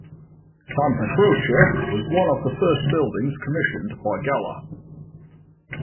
Santa Croce was one of the first buildings commissioned by Galla.